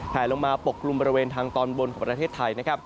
แผ่ลงมาปกลุ่มบริเวณทางตอนบนของประเทศไทย